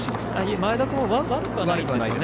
前田君も悪くはないです。